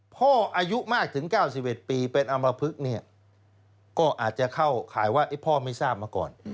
อายุมากถึง๙๑ปีเป็นอำมพลึกเนี่ยก็อาจจะเข้าข่ายว่าพ่อไม่ทราบมาก่อน